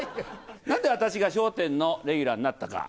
なんで私が笑点のレギュラーになったか。